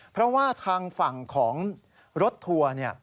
เพราะว่าทางฝั่งของรถทัวร์